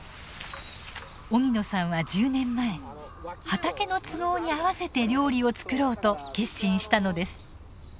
荻野さんは１０年前畑の都合にあわせて料理をつくろうと決心したのです。